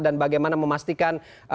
dan bagaimana memastikan